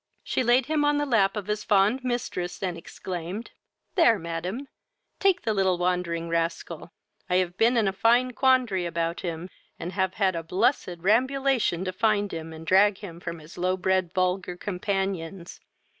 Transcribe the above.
She laid him on the lap of his fond mistress, and exclaimed, "There, madam, take the little wandering rascal. I have been in a fine quandrary about him, and have had a blessed rambulation to find him, and drag him from his low bred wulger companions.